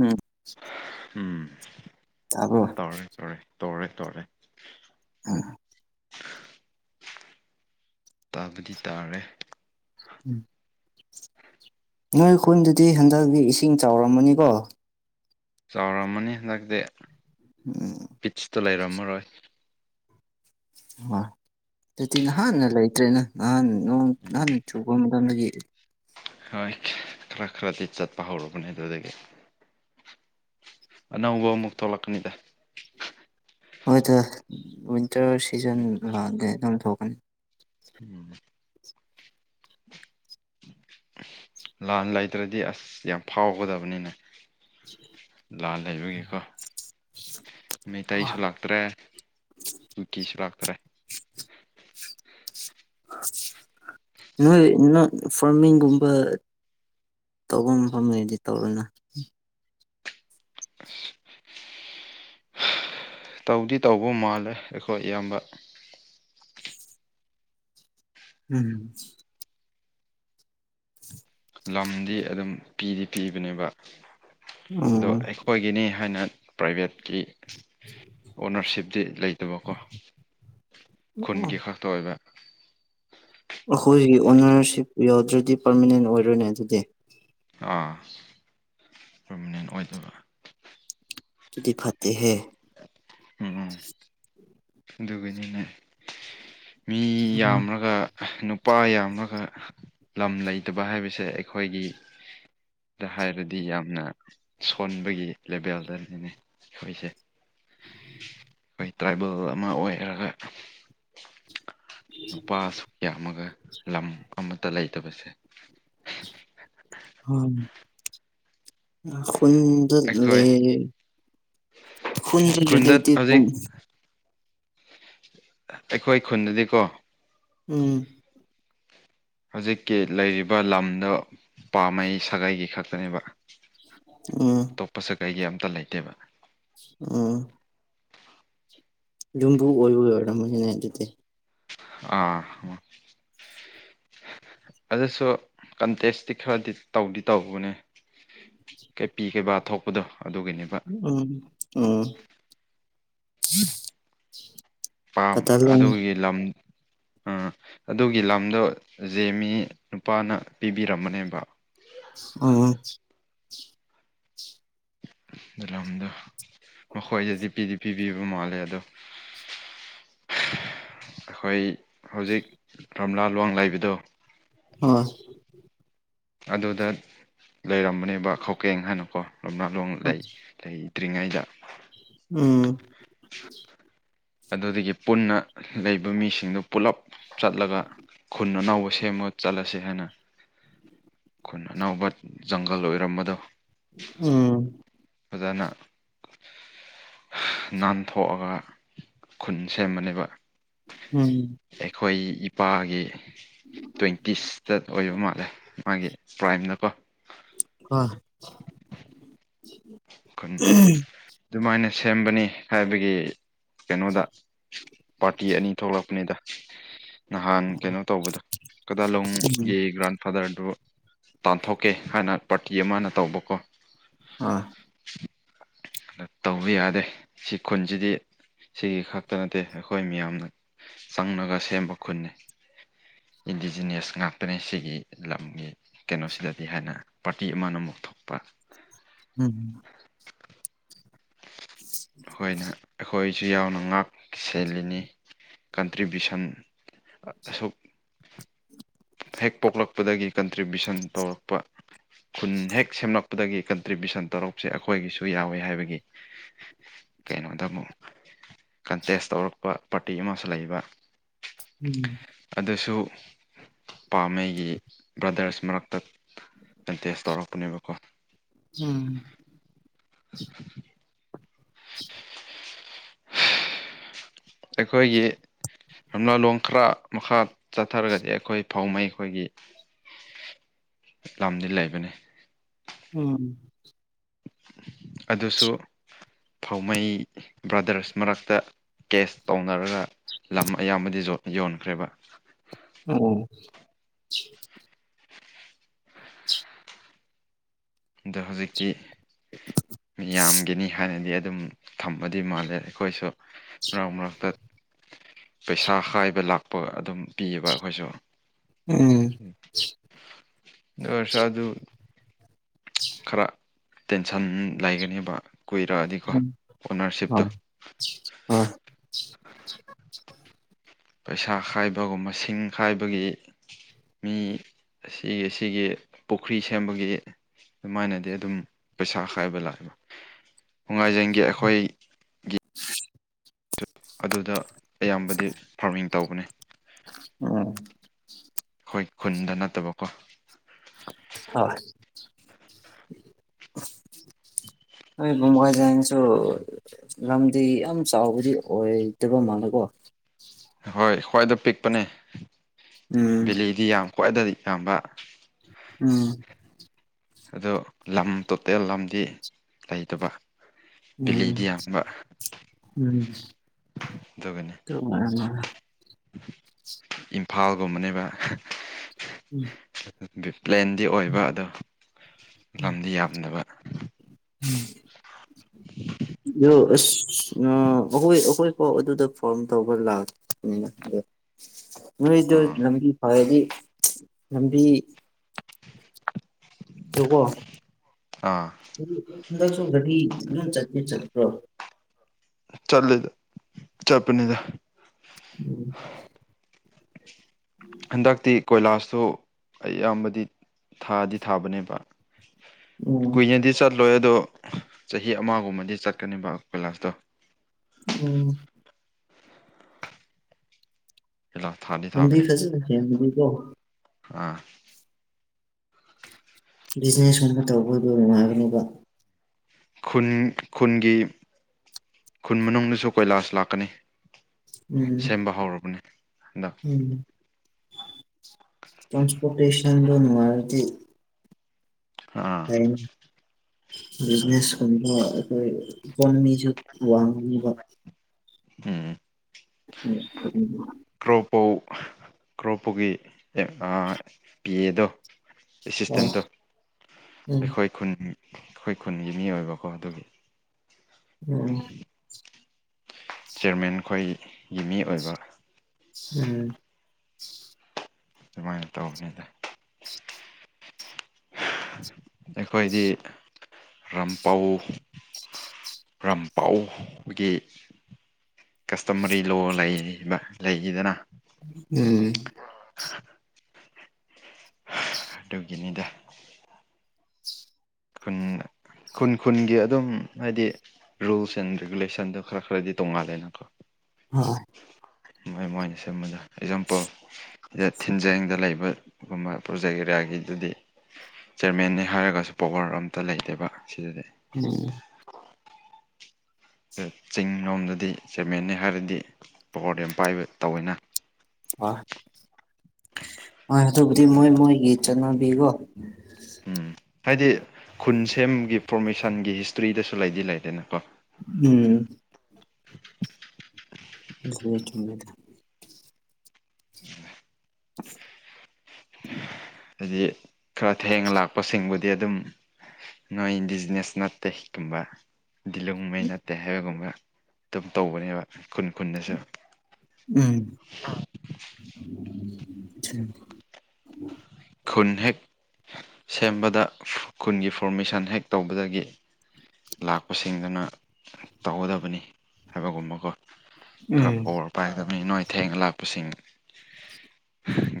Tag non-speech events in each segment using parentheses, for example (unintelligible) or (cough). ꯎꯝ ꯎꯝ ꯇꯥꯕ꯭ꯔꯣ ꯇꯧꯔꯦ ꯇꯧꯔꯦ ꯇꯧꯔꯦ ꯇꯧꯔꯦ (unintelligible) ꯇꯥꯕꯗꯤ ꯇꯥꯔꯦ (unintelligible) ꯅꯣꯏ ꯈꯨꯜꯗꯨꯗꯤ ꯍꯟꯗꯛꯇꯤ ꯏꯁꯤꯡ ꯆꯥꯎꯔꯝꯃꯅꯤꯀꯣ ꯆꯥꯎꯔꯝꯃꯅꯤ ꯍꯟꯗꯛꯇꯤ (unintelligible) ꯄꯤꯠꯁꯇꯣ ꯂꯩꯔꯝꯃꯔꯣꯏ ꯑꯗꯨꯗꯤ ꯅꯍꯥꯟꯅ ꯂꯩꯇ꯭ꯔꯦꯅ ꯅꯍꯥꯟ ꯅꯣꯡ ꯎꯝ ꯅꯍꯥꯟ ꯆꯨꯕ (unintelligible) ꯍꯣꯏ ꯈꯔ ꯈꯔꯗꯤ ꯆꯠꯄ ꯍꯧꯔꯨꯕꯅꯦ ꯑꯗꯨꯗꯒꯤ ꯑꯅꯧꯕ ꯑꯃꯨꯛ ꯊꯣꯛꯂꯛꯀꯅꯤꯗ ꯍꯣꯏꯗ ꯋꯤꯟꯇꯔ ꯁꯤꯖꯟ ꯂꯥꯛꯗ ꯑꯗꯨꯝ ꯊꯣꯛꯀꯅꯤ (unintelligible) ꯂꯥꯟ ꯂꯩꯇ꯭ꯔꯗꯤ ꯑꯁ ꯌꯥꯝ ꯐꯥꯎꯒꯗꯕꯅꯤꯅꯦ ꯂꯥꯜ ꯂꯩꯕꯒꯤꯀꯣ ꯃꯩꯇꯩꯁꯨ ꯂꯥꯛꯇ꯭ꯔꯦ ꯀꯨꯀꯤꯁꯨ ꯂꯥꯛꯇꯔꯦ (unintelligible) ꯅꯣꯏ ꯅꯪ ꯐꯔꯃꯤꯡꯒꯨꯝꯕ ꯇꯧꯕ ꯃꯐꯝ ꯂꯩꯗꯤ ꯇꯧꯔꯦꯅ (unintelligible) ꯇꯧꯗꯤ ꯇꯧꯕ ꯃꯥꯜꯂꯦ ꯑꯩꯈꯣꯏ ꯏꯌꯥꯝꯕ ꯎꯝ ꯂꯝꯗꯤ ꯑꯗꯨꯝ ꯄꯤꯗꯤ ꯄꯤꯕꯅꯦꯕ ꯑꯗꯣ ꯎꯝ ꯑꯩꯈꯣꯏꯒꯤꯅꯤ ꯍꯥꯏꯅ ꯄ꯭ꯔꯥꯏꯕꯦꯠꯀꯤ ꯑꯣꯅꯔꯁꯤꯞꯇꯤ ꯂꯩꯇꯕꯀꯣ ꯈꯨꯟꯒꯤ ꯈꯛ ꯊ ꯑꯣꯏꯕ ꯑꯩꯈꯣꯏꯒꯤ ꯑꯣꯅꯔꯁꯤꯞ ꯌꯥꯎꯗ꯭ꯔꯗꯤ ꯄꯥꯔꯃꯅꯦꯟ ꯑꯣꯏꯔꯣꯏꯅꯦ ꯑꯗꯨꯗꯤ ꯑꯥ ꯄꯔꯃꯤꯅꯦꯟ ꯑꯣꯏꯗꯣꯏꯕ ꯑꯗꯨꯗꯤ ꯐꯠꯇꯦꯍꯦ ꯎꯝꯑꯗꯨꯒꯤꯅꯤꯅꯦ ꯃꯤ ꯌꯥꯝꯂꯒ ꯅꯨꯞ ꯅꯨꯄꯥ ꯌꯥꯝꯃꯒ ꯂꯝ ꯂꯩꯇꯕ ꯍꯥꯏꯕꯁꯦ ꯑꯩꯈꯣꯏꯒꯤ ꯗ ꯍꯥꯏꯔꯗꯤ ꯌꯥꯝꯅ ꯁꯣꯟꯕꯒꯤ ꯂꯦꯕꯦꯜꯗꯅꯤꯅꯦ ꯑꯩꯈꯣꯏꯁꯦ ꯑꯩꯈꯣꯏ ꯇ꯭ꯔꯥꯏꯕꯦꯜ ꯑꯃ ꯑꯣꯏꯔꯒ ꯅꯨꯄꯥꯁꯨ ꯌꯥꯝꯃꯒ ꯂꯝ ꯑꯃꯠꯇ ꯂꯩꯇꯕꯁꯦ ꯍꯣꯏ ꯈꯨꯟꯗ ꯑꯩꯈꯣꯏ ꯂꯩꯔꯦ ꯈꯨꯟꯗ ꯂꯩꯕꯩꯗꯤ ꯁꯨꯝ ꯑꯩꯈꯣꯏ ꯈꯨꯟꯗꯗꯤꯀꯣ ꯎꯝ ꯍꯧꯖꯤꯛꯀꯤ ꯂꯩꯔꯤꯕ ꯂꯝꯗꯣ ꯄꯥꯝꯕꯩ ꯁꯥꯒꯩꯒꯤ ꯈꯛꯇꯅꯦꯕ ꯎꯝ ꯑꯇꯣꯞꯄꯁꯨ ꯀꯩꯒꯤ ꯑꯝꯇ ꯂꯩꯇꯦꯕ ꯑꯣ ꯌꯨꯝꯕꯨ ꯑꯣꯏꯕ ꯑꯣꯏꯔꯝ ꯃꯣꯏꯁꯤꯅꯦ ꯑꯗꯨꯗꯤ ꯑꯥ ꯑꯗꯨꯁꯨ ꯀꯟꯇꯦꯁꯇꯤ ꯈꯔꯗꯤ ꯇꯧꯗꯤ ꯇꯧꯕꯅꯦ ꯀꯩꯄꯤ ꯀꯩꯕꯥ ꯊꯣꯛꯄꯗꯣ ꯑꯗꯨꯒꯤꯅꯦꯕ ꯎꯝ ꯎꯝ ꯄꯥꯝꯕ ꯀꯇꯂꯣꯡ ꯑꯗꯨꯒꯤ ꯂꯝ ꯑꯥ ꯑꯗꯨꯒꯤ ꯂꯝꯗꯣ ꯖꯦꯃꯤ ꯅꯨꯄꯥꯅ ꯄꯤꯕꯤꯔꯝꯕꯅꯦꯕ ꯑꫭ ꯂꯝꯗꯣ ꯃꯈꯣꯏꯗꯗꯤ ꯄꯤꯗꯤ ꯄꯤꯕꯤꯕ ꯃꯥꯜꯂꯦ ꯑꯗꯣ ꯑꯩꯈꯣꯏ ꯍꯧꯖꯤꯛ ꯔꯝꯂꯥ ꯔꫭꯡ ꯂꯩꯕꯗꯣ ꯍꯣꯏ ꯑꯗꯨꯗ ꯂꯩꯔꯝꯕꯅꯦꯕ ꯀꯀꯦꯡ ꯍꯥꯏꯅꯀꯣ ꯔꯅꯥꯂꯣꯡ ꯂꯩ ꯂꯩꯇ꯭ꯔꯤꯉꯩꯗ ꯎꯝ ꯑꯗꯨꯗꯒꯤ ꯄꯨꯟꯅ ꯂꯩꯕ ꯃꯤꯁꯤꯡꯗꯨ ꯄꯨꯂꯞ ꯆꯠꯂꯒ ꯈꯨꯟ ꯑꯅꯧꯕ ꯁꯦꯝꯃ ꯆꯠꯂꯁꯤ ꯍꯥꯏꯅ ꯈꯨꯟ ꯑꯅꯧꯕ ꯖꯪꯒꯜ ꯑꯣꯏꯔꯝꯕꯗꯣ ꯎꯝ ꯑꯣꯖꯥꯅ ꯅꯥꯟꯊꯣꯛꯑꯒ ꯈꯨꯟ ꯁꯦꯝꯕꯅꯦꯕ ꯎꯝ ꯑꯩꯈꯣꯏ ꯏꯄꯥꯒꯤ ꯇ꯭ꯋꯦꯟꯇꯤꯁꯇ ꯑꯣꯏꯕ ꯃꯥꯜꯂꯦ ꯃꯥꯒꯤ ꯄ꯭ꯔꯥꯏꯝꯅꯀꯣ ꯍꯣꯏ ꯑꯗꯨꯃꯥꯏꯅ ꯁꯦꯝꯕꯅꯤ ꯍꯥꯏꯕꯒꯤ ꯀꯩꯅꯣꯗ ꯄꯥꯔꯇꯤ ꯑꯅꯤ ꯊꯣꯛꯂꯛꯄꯅꯤꯗ ꯅꯍꯥꯟ ꯀꯩꯅꯣ ꯇꯧꯕꯗ ꯎꯝ ꯎꯝ ꯀꯗꯥꯂꯣꯡꯒꯤ ꯒ꯭ꯔꯥꯟ ꯐꯥꯗꯔꯗꯨ ꯇꯥꯟꯊꯣꯛꯀꯦ ꯍꯥꯏꯅ ꯄꯥꯔꯇꯤ ꯑꯃꯅ ꯇꯧꯕꯀꯣ ꯑꯥ ꯑꯗ ꯇꯧꯕ ꯌꯥꯗꯦ ꯁꯤ ꯈꯨꯟꯁꯤꯗꯤ ꯁꯤꯒꯤ ꯈꯛꯇ ꯅꯠꯇꯦ ꯑꯩꯈꯣꯏ ꯃꯤꯌꯥꯝꯅ ꯆꯪꯉꯒ ꯁꯦꯝꯕ ꯈꯨꯟꯅꯤ ꯏꯟꯗꯤꯖꯤꯅ꯭ꯌꯁ ꯉꯥꯛꯇꯅꯦ ꯁꯤꯒꯤ ꯂꯝꯒꯤ ꯀꯩꯅꯣꯁꯤꯜꯂꯅꯤ ꯍꯥꯏꯅ ꯄꯥꯔꯇꯤ ꯑꯃꯅ ꯑꯃꯨꯛ ꯊꯣꯛꯄ ꯎꯝ ꯎ ꯑꯩꯈꯣꯏꯅ ꯑꯩꯈꯣꯏꯁꯨ ꯌꯥꯎꯅ ꯉꯥꯛ ꯁꯦꯜꯂꯤꯅꯤ ꯀꯟꯇ꯭ꯔꯤꯕ꯭ꯌꯨꯁꯟ ꯑꯁꯨꯛ ꯍꯦꯛ ꯄꯣꯛꯂꯛꯄꯗꯒꯤ ꯀꯟꯇ꯭ꯔꯤꯕ꯭ꯌꯨꯁꯟ ꯇꯧꯔꯛꯄ ꯈꯨꯟ ꯍꯦꯛ ꯁꯦꯝꯂꯛꯄꯗꯒꯤ ꯀꯟꯇ꯭ꯔꯤꯕ꯭ꯌꯨꯁꯟ ꯇꯧꯔꯛꯁꯦ ꯑꯩꯈꯣꯏꯒꯤꯁꯨ ꯌꯥꯎꯋꯦ ꯍꯥꯏꯕꯒꯤ ꯀꯩꯅꯣꯗ ꯑꯃꯨꯛ ꯀꯟꯇꯦꯁ ꯇꯧꯔꯛꯄ ꯄꯥꯔꯇꯤ ꯑꯃꯁꯨ ꯂꯩꯕ ꯎꯝ ꯑꯗꯨꯁꯨ ꯄꯥꯝꯝꯕꯩꯒꯤ ꯕ꯭ꯔꯗꯔꯁ ꯃꯔꯛꯇ ꯀꯟꯇꯦꯁ ꯇꯧꯔꯛꯄꯅꯦꯕꯀꯣ ꯎꯝ (unintelligible) (unintelligible) ꯑꯩꯈꯣꯏꯒꯤ ꯂꯝꯝꯅꯥꯥꯂꯣꯡ ꯈꯔ ꯃꯈꯥ ꯆꯠꯊꯔꯒꯗꯤ ꯑꯩꯈꯣꯏ ꯐꯧ ꯃꯩ ꯑꯩꯈꯣꯏꯒꯤ ꯂꯝꯗꯤ ꯂꯩꯕꯅꯤ ꯎꯝ ꯑꯗꯨꯁꯨ ꯐꯧꯃꯩ ꯕ꯭ꯔꯥꯗꯔꯁ ꯃꯔꯛꯇ ꯀꯦꯁ ꯇꯧꯅꯔꯒ ꯂꯝ ꯑꯌꯥꯝꯕꯗꯤ ꯌꯣꯟꯈ꯭ꯔꯦꯕ ꯑ ꯑꯣ ꯑꯗꯣ ꯍꯧꯖꯤꯛꯇꯤ ꯃꯤꯌꯥꯝꯒꯤꯅꯤ ꯍꯥꯟꯅꯗꯤ ꯑꯗꯨꯝ ꯊꯃꯗꯤ ꯃꯥꯜꯂꯦ ꯑꯩꯈꯣꯏꯁꯨ ꯃꯔꯛ ꯃꯔꯛꯇ ꯄꯩꯁꯥ ꯀꯥꯏꯕ ꯂꯥꯛꯄ ꯑꯗꯨꯝ ꯄꯤꯌꯦꯕ ꯑꯩꯈꯣꯏꯁꯨ ꯎꯝ ꯑ ꯁꯥ ꯑꯗꯨ ꯈꯔ ꯇꯦꯟꯁꯟ ꯂꯩꯒꯅꯦꯕ ꯀꯨꯏꯔꯛꯑꯗꯤꯀꯣ ꯑꯣꯅꯔꯁꯤꯞꯇꯣ ꯄꯩꯁꯥ ꯈꯥꯏꯕꯒꯨꯝꯕ ꯃꯁꯤꯡ ꯈꯥꯏꯕꯒꯤ ꯃꯤ ꯑꯁꯤꯒꯤ ꯑꯁꯤꯒꯤ ꯄꯨꯈ꯭ꯔꯤ ꯁꯦꯝꯕꯒꯤ ꯑꯗꯨꯃꯥꯏꯅꯗꯤ ꯑꯗꯨꯝ ꯄꯩꯁꯥ ꯀꯥꯏꯕ ꯂꯥꯛꯑꯦꯕ ꯅꯨꯡꯉꯥꯏꯖꯤꯡꯒꯤ ꯑꯩꯈꯣꯏ (unintelligible) ꯑꯗꯨꯗ ꯑꯌꯥꯝꯕꯗꯤ ꯐꯥꯔꯃꯤꯡ ꯇꯧꯕꯅꯤ ꯎꯝ ꯑꯩꯈꯣꯏ ꯈꯨꯟꯗ ꯅꯠꯇꯕꯀꯣ ꯍꯣꯏ ꯑꯩꯣꯏ ꯝꯒ ꯆꯅꯤꯁꯨ ꯂꯝꯗꯤ ꯌꯥꯝ ꯆꯥꯎꯕꯗꯤ ꯑꯣꯏꯗꯕ ꯃꯥꯜꯂꯀꯣ ꯍꯣꯏ ꯈ꯭ꯋꯥꯏꯗ ꯄꯤꯛꯄꯅꯦ ꯎꯝ ꯕꯦꯜꯂꯤꯗꯤ ꯌꯥꯝ ꯈ꯭ꯋꯥꯏꯗ ꯌꯥꯝꯕ ꯎꯝ ꯑꯗꯣ ꯂꯝ ꯇꯣꯇꯦꯜ ꯂꯝꯗꯤ ꯂꯩꯇꯕ ꯎꯝ ꯕꯦꯂꯤꯗꯤ ꯌꯥꯝꯕ ꯎꯝ ꯑꯗꯨꯒꯅꯤ ꯏꯝꯐꯥꯜꯒꯨꯝꯕꯅꯦꯕ ꯎꯝ ꯄ꯭ꯂꯦꯟꯗꯤ ꯑꯣꯏꯕ ꯑꯗꯣ ꯂꯝꯗꯤ ꯌꯥꯝꯗꯕ ꯌ ꯎ ꯑꯩꯈꯣꯏ ꯑꯩꯈꯣꯏ ꯄꯥꯎ ꯑꯗꯨꯗ ꯐꯥꯝ ꯇꯧꯕ ꯂꯥꯛꯅꯤꯅ ꯃꯣꯏꯗ ꯑꯥ ꯂꯝꯕꯤ ꯐꯔꯗꯤ ꯂꯝꯕꯤ ꯑꯗꯨꯀꯣ ꯑꯥ ꯍꯟꯗꯛꯁꯨ ꯗꯤ ꯑꯗꯨꯝ ꯆꯠꯀꯦ ꯆꯠꯄ꯭ꯔꯣ ꯆꯠꯂꯗ ꯆꯄꯅꯤꯗ ꯎꯝ ꯍꯟꯗꯛꯇꯤ ꯀꯣꯏꯂꯥꯁꯁꯨ ꯑꯩꯌꯥꯝꯕꯗꯤ ꯊꯥꯗꯤ ꯊꯥꯕꯅꯦꯕ ꯎꯝ ꯀꯨꯏꯅꯗꯤ ꯆꯠꯂꯣꯏ ꯑꯗꯣ ꯆꯍꯤ ꯑꯃꯒꯨꯝꯕꯗꯤ ꯆꯠꯀꯅꯦꯕ ꯄꯣꯏꯂꯥꯁꯇꯣ ꯎꯝ ꯀꯣꯏꯂꯥꯁ ꯊꯥꯗꯤ ꯂꯝꯕꯤ ꯊꯥꯕꯅꯦ ꯐꯖꯅꯁꯦ ꯂꯝꯕꯤꯗꯣ? ꯑꯥ ꯕꯤꯖꯤꯅꯦꯁꯀꯨꯝꯕ ꯇꯧꯕꯗꯣ ꯅꯨꯡꯉꯥꯏꯕꯅꯦꯕ꯫ ꯈꯨꯟ ꯈꯨꯟꯒꯤ ꯈꯨꯟ ꯃꯅꯨꯡꯗꯁꯨ ꯀꯣꯏꯂꯥꯁ ꯂꯥꯛꯀꯅꯤ꯫ ꯁꯦꯝꯕ ꯍꯧꯔꯕꯅꯦ ꯑꯟꯗꯥꯛ꯫ ꯎ ꯇ꯭ꯔꯥꯟꯁꯄꯣꯇꯦꯁꯟ ꯂꯅꯅꯨꯡꯉꯗꯤ ꯍꯥꯥ ꯅꯦ ꯑꯩꯈꯣꯏ ꯏꯀꯣꯅꯃꯤ ꯋꯥꯡ ꯍꯝ (unintelligible) ꯀ꯭ꯔꯣꯞꯄꯣ ꯀ꯭ꯔꯣꯞꯄꯨꯒꯤ ꯄꯤ ꯑꯦꯗꯣ ꯎꯝ ꯑꯦꯁꯤꯁꯇꯦꯟꯗꯣ ꯑꯩꯈꯣꯏ ꯈꯨꯟ ꯑꯩꯈꯣꯏ ꯈꯨꯟꯒꯤ ꯃꯤ ꯑꯣꯏꯕꯀꯣ ꯑꯗꯨꯒꯤ꯫ ꯎꯝ ꯆꯤꯔꯃꯦꯟ ꯑꯩꯈꯣꯏꯒꯤ ꯃꯤ ꯑꯣꯏꯕ ꯎꯝ ꯑꯗꯨꯃꯥꯏꯅ ꯇꯧꯕꯅꯤꯗ ꯑꯩꯈꯣꯏꯗꯤ ꯔꯝꯄꯧ꯫ ꯄ꯭ꯔꯝ ꯄꯥꯎꯒꯤ ꯀꯁꯇꯃꯔꯤ ꯂꯣ ꯂꯩꯔꯤꯕ ꯂꯩꯔꯤꯗꯅ ꯎꯝ ꯑꯗꯨꯒꯤꯅꯤꯗ ꯈꯨꯟ ꯈꯨꯟ ꯈꯨꯟꯒꯤ ꯑꯗꯨꯝ ꯍꯥꯏꯗꯤ ꯔꯨꯜꯁ ꯑꯦꯟ ꯔꯤꯒꯨꯂꯦꯁꯟꯗꯣ ꯈꯔ ꯈꯔꯗꯤ ꯇꯣꯡꯉꯥꯜꯂꯦꯅꯀꯣ꯫ ꯍꯣꯏ ꯃꯣꯏ ꯃꯣꯏꯅ ꯁꯦꯝꯕꯗ ꯑꯦꯛꯖꯥꯝꯄꯜ ꯁꯤꯗ ꯊꯤꯟꯖꯦꯡꯗ ꯂꯩꯕ ꯨꯝꯕ ꯄ꯭ꯔꯣꯖꯦꯛ ꯑꯦꯔꯤꯌꯥꯒꯤꯗꯨꯗꯤ ꯆꯤꯌꯔꯃꯦꯟꯟꯅꯅꯤ ꯍꯥꯏꯔꯒꯁꯨ ꯄꯋꯥꯔ ꯑꯃꯝꯇ ꯂꯩꯇꯦꯕ ꯁꯤꯗꯗꯤ ꯎꯝ ꯆꯤꯡ ꯂꯣꯝꯗꯗꯤ ꯁꯦꯃꯦꯅꯤ ꯍꯥꯏꯔꯗꯤ ꯄꯀꯣꯔꯗ ꯌꯥꯝ ꯄꯥꯏꯕ ꯇꯧꯋꯦꯅ (unintelligible) (inaudible) ꯍꯣꯏ ꯑꯗꯨꯕꯨꯗꯤ ꯃꯣꯏ ꯃꯣꯏꯒꯤꯠ ꯆꯠꯅꯕꯤꯀꯣ ꯎꯝ ꯍꯥꯏꯗꯤ ꯈꯨꯟ ꯁꯦꯝꯒꯤ ꯐꯣꯔꯃꯦꯁꯟꯒꯤ ꯍꯤꯁꯇ꯭ꯔꯤꯗꯁꯨ ꯂꯩꯗꯤ ꯂꯩꯔꯦꯅꯀꯣ ꯎꯝ (unintelligible) (unintelligible) (inaudible) ꯍꯥꯏꯗꯤ ꯈꯔ ꯊꯦꯡꯅ ꯂꯥꯛꯄꯁꯤꯡꯕꯨꯗꯤ ꯑꯗꯨꯝ ꯅꯣꯏ ꯕꯤꯖꯤꯅꯦꯁ ꯅꯠꯇ ꯀꯨꯝꯕ ꯗꯤꯂꯨꯡꯉꯩ ꯅꯠꯇꯦ ꯍꯥꯏꯕꯒꯨꯝꯕ ꯑꯗꯨꯝ ꯇꯧꯕꯅꯦꯕ ꯈꯨꯟ ꯈꯨꯟꯗꯁꯨ ꯎꯝ ꯈꯨꯟ ꯍꯦꯛ ꯁꯦꯝꯕꯗ ꯈꯨꯟꯒꯤ ꯐꯣꯔꯃꯦꯁꯟ ꯍꯦꯛ ꯇꯧꯕꯗꯒꯤ꯫ ꯂꯥꯛꯄꯁꯤꯡꯗꯨꯅ ꯇꯧꯒꯗꯕꯅꯤ ꯍꯥꯏꯕꯒꯨꯝꯕꯀꯣ ꯈꯔ ꯄꯔ ꯄꯥꯏꯗꯕꯅꯤ ꯅꯣꯏ ꯊꯦꯡꯅ ꯂꯥꯛꯄꯁꯤꯡ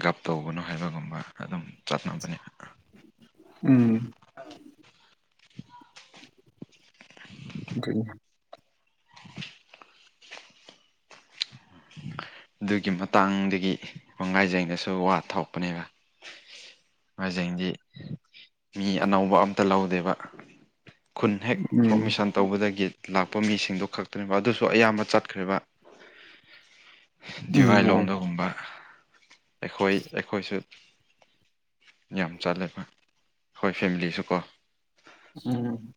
ꯒꯞ ꯇꯧꯕꯅꯣ ꯍꯥꯏꯕꯒꯨꯝꯕ ꯑꯗꯨꯝ ꯆꯠꯅꯕꯅꯦꯕ꯫ ꯎꯝ (inaudible) (unintelligible) ꯑꯗꯨꯒꯤ ꯃꯇꯥꯡꯗꯒꯤ (unintelligible) ꯒꯥꯏꯖꯩꯒꯁꯨ ꯋꯥ ꯊꯣꯛꯄꯅꯦꯕ (unintelligible) ꯃꯤ ꯑꯅꯧꯕ ꯑꯝꯇ ꯂꯧꯗꯦꯕ ꯈꯨꯟ ꯍꯦꯛ ꯎꯝ ꯄꯣꯔꯃꯤꯁꯟ ꯇꯧꯕꯗꯒꯤ ꯂꯥꯛꯄ ꯃꯤꯁꯤꯡꯗꯨ ꯈꯛꯇꯅꯦꯕ ꯑꯗꯨꯁꯨ ꯑꯌꯥꯝꯕ ꯆꯠꯈ꯭ꯔꯦꯕ ꯎꯝ ꯑꯣ ꯗꯤꯋꯥꯏꯂꯣꯡꯝꯗꯒꯨꯝꯕ ꯑꯩꯈꯣꯏ ꯑꯩꯈꯣꯏꯁꯨ ꯌꯥꯝ ꯆꯠꯂꯦꯕ ꯑꯩꯈꯣꯏ ꯐꯦꯃꯤꯂꯤꯁꯨꯀꯣ ꯎꯝ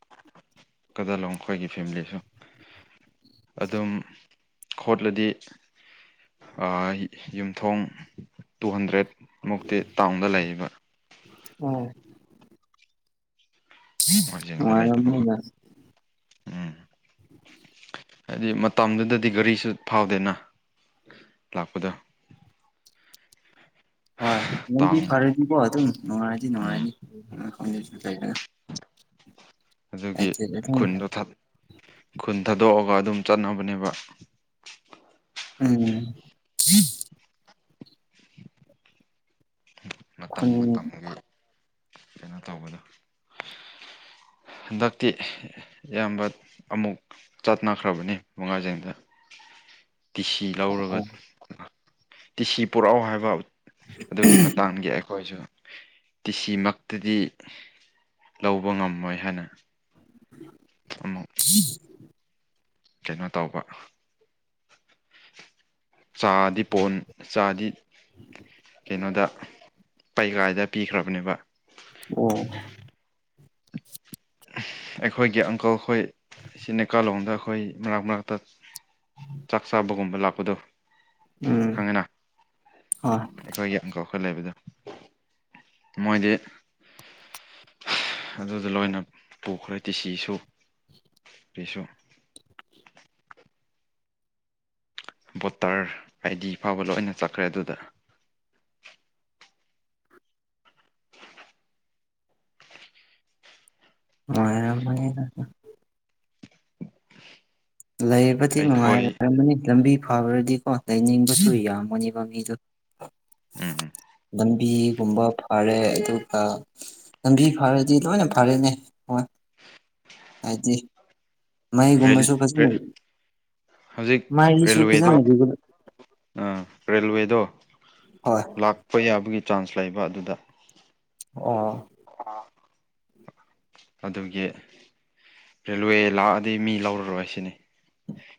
ꯀꯗꯂꯣꯡ ꯈꯣꯏꯒꯤ ꯐꯦꯃꯤꯂꯤꯁꯨ ꯑꯗꯨꯝ ꯈꯣꯠꯂꯗꯤ ꯑ ꯌꯨꯝꯊꯣꯡ ꯇꯨ ꯍꯟꯗ꯭ꯔꯦꯠ ꯃꯨꯛꯇꯤ ꯇꯥꯎꯟꯗ ꯂꯩꯌꯦꯕ ꯑ (unintelligible) ꯋꯥꯔꯖꯤꯡꯗ ꯂꯩꯇꯕꯀꯣ ꯅꯨꯡꯉꯥꯏꯔꯝꯅꯤꯗ ꯎꯝ ꯍꯥꯏꯗꯤ ꯃꯇꯝꯗꯨꯗꯗꯤ ꯒꯥꯔꯤꯁꯨ ꯐꯥꯎꯗꯦꯅ ꯂꯥꯛꯄꯗꯣ ꯍꯣꯏ ꯂꯝꯕꯤ ꯇꯥꯎꯟ ꯐꯔꯗꯤꯀꯣ ꯑꯗꯨꯝ ꯅꯨꯡꯉꯥꯏꯔꯗꯤ ꯎꯝ ꯅꯨꯡꯉꯥꯏꯔꯅꯤ (unintelligible) ꯑꯗꯨꯒꯤ ꯑꯗꯨꯝ ꯈꯨꯟꯗꯣ ꯈꯨꯟ ꯊꯥꯗꯣꯛꯑꯒ ꯑꯗꯨꯝ ꯆꯠꯅꯕꯅꯦꯕ ꯎꯝ ꯃꯇꯝ ꯈꯨꯟ ꯃꯇꯝꯒꯤ ꯀꯩꯅꯣ ꯇꯧꯕꯗꯣ ꯍꯟꯗꯛꯇꯤ ꯏꯌꯥꯝꯕ ꯑꯃꯨꯛ ꯆꯠꯅꯈ꯭ꯔꯕꯅꯤ ꯃꯉꯥꯏꯖꯤꯡꯗ (inaudible) ꯇꯤꯁꯤ ꯂꯧꯔꯒ ꯑꯣ ꯇꯤꯁꯤ ꯄꯨꯔꯛꯎ ꯍꯥꯏꯕ ꯑꯗꯨꯒꯤ ꯃꯇꯥꯡꯒꯤ ꯑꯩꯈꯣꯏꯖꯨ ꯇꯤꯁꯤꯃꯛꯇꯗꯤ ꯂꯧꯕ ꯉꯝꯃꯣꯏ ꯍꯥꯏꯅ ꯑꯃꯨꯛ (inaudible) ꯀꯩꯅꯣ ꯇꯧꯕ ꯆꯥꯗꯤ ꯄꯣꯟ ꯆꯥꯗꯤ ꯀꯩꯅꯣꯗ ꯄꯩꯒꯥꯏꯗ ꯄꯤꯈ꯭ꯔꯕꯅꯦꯕ ꯑꯣ ꯑꯩꯈꯣꯏꯒꯤ ꯑꯪꯀꯜꯈꯣꯏ ꯁꯤ ꯅꯩꯀꯥꯂꯣꯝꯗ ꯑꯩꯈꯣꯏ ꯃꯔꯛ ꯃꯔꯛꯇ ꯆꯥꯛ ꯆꯥꯕꯒꯨꯝꯕ ꯂꯥꯛꯄꯗꯨ ꯎꯝ ꯈꯪꯉꯦꯅ ꯍꯣꯏ ꯑꯩꯈꯣꯏꯒꯤ ꯑꯪꯀꯜ ꯍꯣꯏ ꯂ ꯩꯕꯗꯣ ꯃꯣꯏꯗꯤ ꯑꯗꯨꯗ ꯂꯣꯏꯅ ꯄꯨꯈ꯭ꯔꯦ ꯇꯤꯁꯤꯁꯨ (unintelligible) (unintelligible) ꯕꯣꯇꯔ ꯑꯥꯏꯗꯤ ꯐꯥꯎꯕ ꯂꯣꯏꯅ ꯆꯠꯈ꯭ꯔꯦ ꯑꯗꯨꯗ (unintelligible) ꯂꯩꯕꯗꯤ ꯑꯩꯈꯣꯏ ꯅꯨꯡꯉꯥꯏꯔꯔꯝꯃꯅꯤ ꯂꯝꯕꯤ ꯐꯕ꯭ꯔꯗꯤꯀꯣ ꯂꯩꯅꯤꯡꯕꯁꯨ ꯌꯥꯝꯃꯅꯦꯕ ꯃꯤꯗꯣ ꯎꯝ (unintelligible) ꯂꯝꯕꯤꯒꯨꯝꯕ ꯐꯔꯦ ꯑꯗꯨ ꯑꯥ ꯂꯝꯕꯤ ꯐꯔꯗꯤ ꯂꯣꯏꯅ ꯐꯔꯦꯅꯦ ꯍꯣꯏ ꯍꯥꯏꯗꯤ ꯃꯩꯒꯨꯝꯕꯁꯨ ꯐꯖꯅ (unintelligible) ꯍꯧꯖꯤꯛ ꯃꯩꯁꯨ ꯔꯦꯜꯋꯦꯗꯨ ꯐꯖꯅ ꯔꯤꯒꯨꯂꯔ ꯑ ꯔꯦꯜꯋꯦꯗꯣ ꯍꯣꯏ ꯂꯥꯛꯄ ꯌꯥꯕꯒꯤ ꯆꯥꯟꯁ ꯂꯩꯕ ꯑꯗꯨꯗ ꯑꯣ (unintelligible) ꯑꯗꯨꯒꯤ ꯔꯦꯜꯋꯦ ꯂꯥꯛꯑꯗꯤ ꯃꯤ ꯂꯧꯔꯔꯣꯏ ꯁꯤꯅꯤ